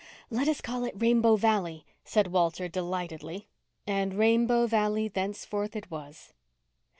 "Let us call it Rainbow Valley," said Walter delightedly, and Rainbow Valley thenceforth it was.